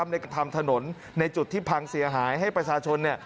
ในกระทำถนนในจุดที่พังเสียหายให้ประชาชน